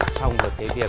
xong được cái việc